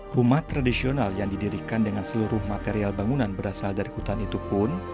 rumah tradisional yang didirikan dengan seluruh material bangunan berasal dari hutan itu pun